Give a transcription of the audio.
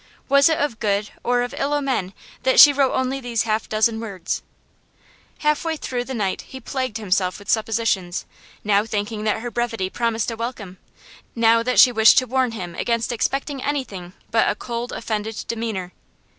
Was it of good or of ill omen that she wrote only these half dozen words? Half through the night he plagued himself with suppositions, now thinking that her brevity promised a welcome, now that she wished to warn him against expecting anything but a cold, offended demeanour.